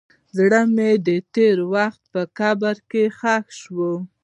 زړه مې د تېر وخت په قبر کې ښخ شو.